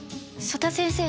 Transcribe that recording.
曽田先生